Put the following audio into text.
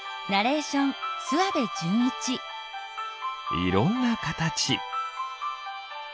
いろんなかたち。